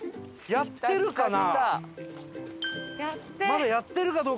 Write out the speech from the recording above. やってるな！